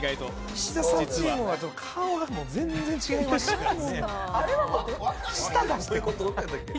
石田さんチームは顔が全然違いましたからね